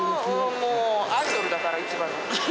もうアイドルだから、市場の。